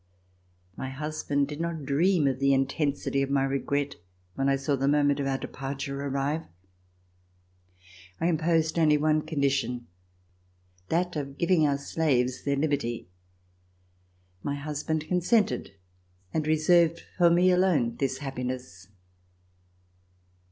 My husband did not dream of the intensity of my regret when I saw the moment of our departure arrive. I imposed only one condition, that of giving our slaves their liberty. My husband consented and reserved for me alone this happiness.